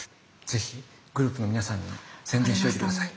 是非グループの皆さんに宣伝しといて下さい。